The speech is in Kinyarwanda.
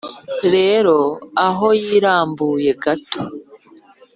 rero! aho yirambuye gato,